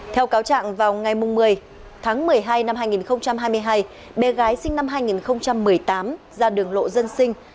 theo cáo trạng vào ngày một mươi tháng một mươi hai năm hai nghìn hai mươi hai bé gái sinh năm hai nghìn một mươi tám ra đường lộ dân sinh